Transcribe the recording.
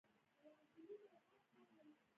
په ځان باور زده کېدلای شي.